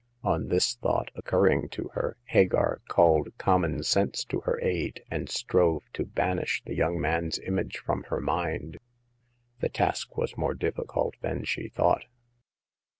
On this thought occurring to her, Hagar called common sense to her aid, and strove to banish the young man's image from her mind. The task was more difficult than she thought.